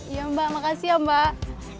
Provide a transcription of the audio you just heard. iya mbak makasih ya mbak